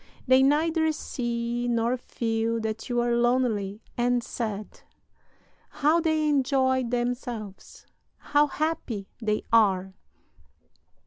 They neither see nor feel that you are lonely and sad. How they enjoy themselves, how happy they are!